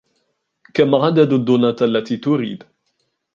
كم عدد الدونت التي تريد